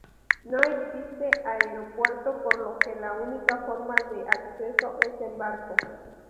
No existe aeropuerto, por lo que la única forma de acceso es en barco.